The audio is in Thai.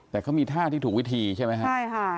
แต่เขามีท่าที่ถูกวิธีใช่ไหมครับใช่ค่ะ